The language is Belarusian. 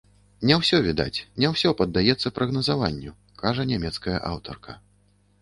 Не ўсё відаць, не ўсё паддаецца прагназаванню, кажа нямецкая аўтарка.